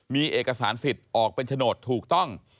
มีเอกสารสิทธิ์ออกเป็นโฉนดถูกต้อง